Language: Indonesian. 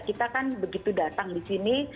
kita kan begitu datang di sini